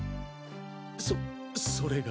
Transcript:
そそれが。